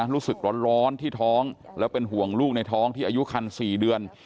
รู้สึกร้อนที่ท้องแล้วเป็นห่วงลูกในท้องที่อายุคัน๔เดือน